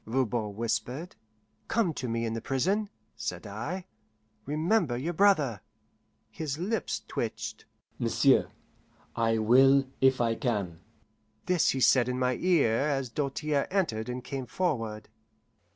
Voban whispered. "Come to me in the prison," said I. "Remember your brother!" His lips twitched. "M'sieu', I will if I can." This he said in my ear as Doltaire entered and came forward.